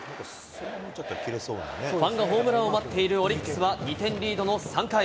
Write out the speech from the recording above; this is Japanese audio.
ファンがホームランを待っているオリックスは２点リードの３回。